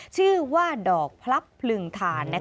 ชื่อว่าดอกพลับพลึงทาน